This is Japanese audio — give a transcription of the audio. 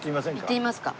行ってみますか。